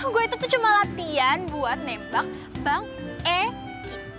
gue itu cuma latihan buat nembang bang eki